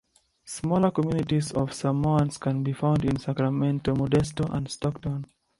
Smaller communities of Samoans can be found in Sacramento, Modesto and Stockton.